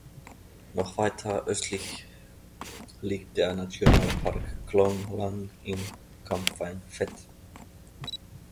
Noch weiter östlich liegt der Nationalpark Khlong Lan in Kamphaeng Phet.